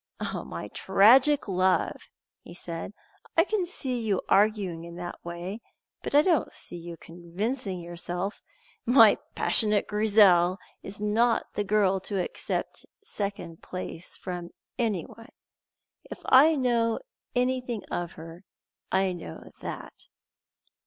"My tragic love," he said, "I can see you arguing in that way, but I don't see you convincing yourself. My passionate Grizel is not the girl to accept second place from anyone. If I know anything of her, I know that."